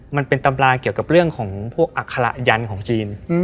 มันเป็นตำราเกี่ยวกับเรื่องของพวกอัคระยันต์ของจีน